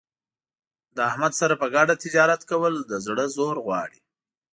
له احمد سره په ګډه تجارت کول د زړه زور غواړي.